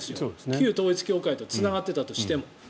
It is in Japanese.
旧統一教会とつながっていたとしても。